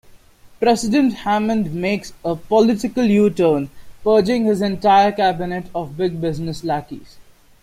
President Hammond makes "a political U-turn," purging his entire cabinet of "big-business lackeys.